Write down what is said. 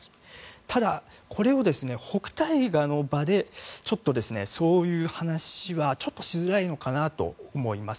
ただ、これを北戴河の場でそういう話はちょっとしづらいのかなと思います。